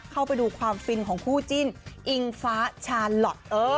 เข้าไปดูความฟินของคู่จิ้นอิงฟ้าชาลอท